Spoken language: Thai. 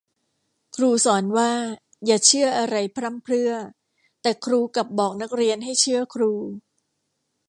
ครูสอนว่าอย่าเชื่ออะไรพร่ำเพรื่อ แต่ครูกลับบอกนักเรียนให้เชื่อครู